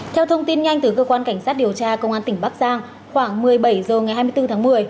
theo thông tin nhanh từ cơ quan cảnh sát điều tra công an tỉnh bắc giang khoảng một mươi bảy h ngày hai mươi bốn tháng một mươi